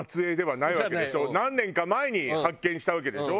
何年か前に発見したわけでしょ。